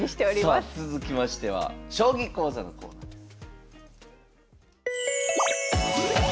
さあ続きましては将棋講座のコーナーです。